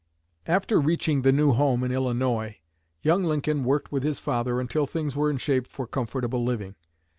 After reaching the new home in Illinois, young Lincoln worked with his father until things were in shape for comfortable living.